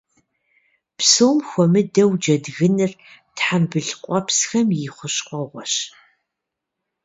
Псом хуэмыдэу, джэдгыныр тхьэмбыл къуэпсхэм и хущхъуэгъуэщ.